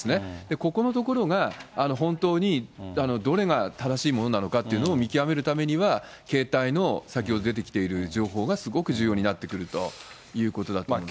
ここのところが、本当にどれが正しいものなのかっていうのを見極めるためには、携帯の先ほど出てきている情報がすごく重要になってくるということだと思いますね。